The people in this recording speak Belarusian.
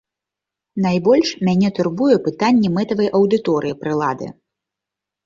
Найбольш мяне турбуе пытанне мэтавай аўдыторыі прылады.